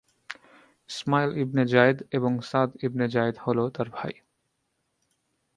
ইসমাইল ইবনে যায়েদ এবং সা’দ ইবনে যায়েদ হলো তার ভাই।